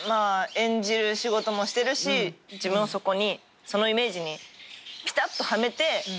演じる仕事もしてるし自分をそのイメージにピタッとはめて。